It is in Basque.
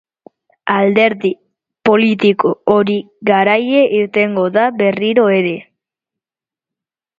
Alderdi politiko hori garaile irtengo da berriro ere